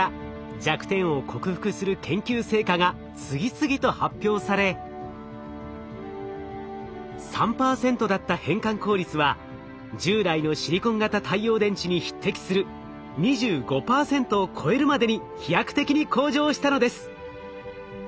弱点を克服する研究成果が次々と発表され３％だった変換効率は従来のシリコン型太陽電池に匹敵する２５％を超えるまでに飛躍的に向上したのです。